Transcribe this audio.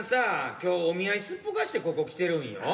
今日お見合いすっぽかしてここ来てるんよ。